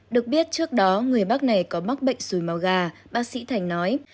được biết trước đó người bác này có mắc bệnh xùi máu gà bác sĩ thành nói